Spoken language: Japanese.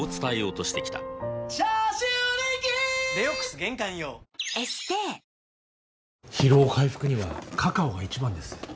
サントリー疲労回復にはカカオが一番です。